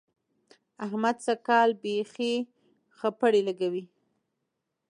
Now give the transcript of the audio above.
احمد سږ کال بېخي خپړې لګوي.